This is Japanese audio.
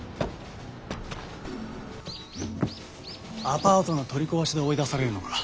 アパートの取り壊しで追い出されるのか。